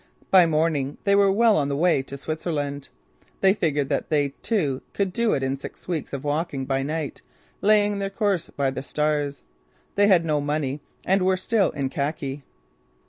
By morning they were well on the way to Switzerland. They figured that they, too, could do it in six weeks' of walking by night, laying their course by the stars. They had no money and were still in khaki.